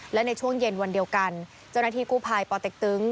และในช่วงเย็นวันเดียวกันเจ้าหน้าที่กู้ภัยปเต็กตึง